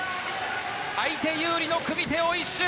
相手有利の組み手を一蹴。